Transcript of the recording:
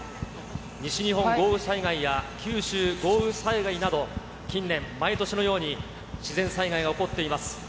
西日本豪雨災害や九州豪雨災害など、近年、毎年のように自然災害が起こっています。